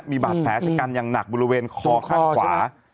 มีบาดแผลชะกันอย่างหนักบริเวณคอข้างขวา